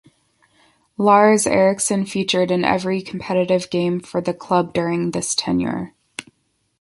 Lars Eriksson featured in every competitive game for the club during this tenure.